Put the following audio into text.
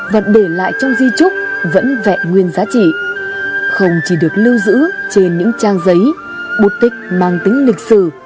vẫn vẹn nguyên giá trị không chỉ được lưu giữ trên những trang giấy bút tích mang tính lịch sử